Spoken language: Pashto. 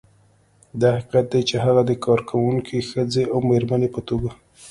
دا حقیقت چې هغې د کارکونکې ښځې او مېرمنې په توګه